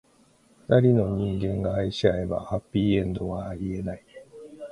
二人の人間が愛し合えば、ハッピーエンドはありえない。